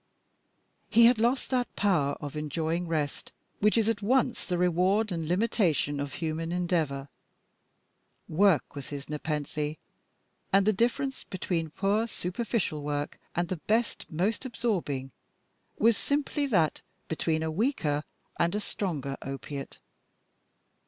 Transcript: He had lost that power of enjoying rest which is at once the reward and limitation of human endeavour. Work was his nepenthe, and the difference between poor, superficial work and the best, most absorbing, was simply that between a weaker and a stronger opiate.